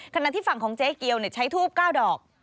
ขณะที่ฝั่งของเจ๊เกียวใช้ทูบ๙ดอก